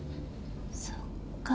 そっか。